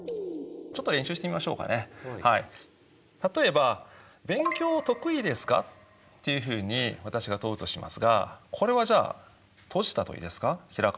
例えば「勉強得意ですか？」というふうに私が問うとしますがこれはじゃあ閉じた問いですか？